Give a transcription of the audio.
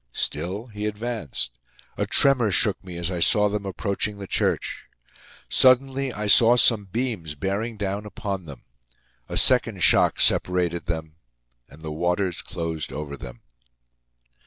Still, he advanced. A tremor shook me as I saw them approaching the church. Suddenly, I saw some beams bearing down upon them. A second shock separated them and the waters closed over them.